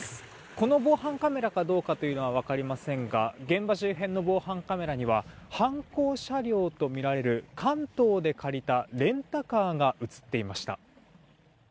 この防犯カメラかどうかというのは分かりませんが現場周辺の防犯カメラには犯行車両とみられる関東で借りたレンタカーが映っていました。